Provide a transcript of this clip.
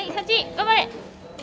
頑張れ！